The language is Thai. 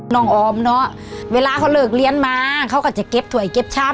ออมเนอะเวลาเขาเลิกเรียนมาเขาก็จะเก็บถ่วยเก็บช้ำ